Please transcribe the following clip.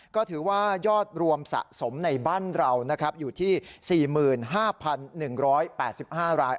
ก็ถือว่ายอดรวมสะสมในบ้านเรานะครับอยู่ที่๔๕๑๘๕ราย